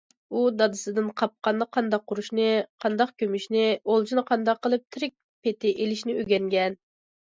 ئۇ دادىسىدىن قاپقاننى قانداق قۇرۇشنى، قانداق كۆمۈشنى، ئولجىنى قانداق قىلىپ تىرىك پېتى ئېلىشنى ئۆگەنگەن.